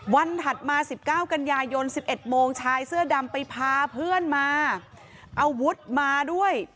วันถัดมาสิบเก้ากันยายนสิบเอ็ดโมงชายเสื้อดำไปพาเพื่อนมาเอาวุฒมาด้วย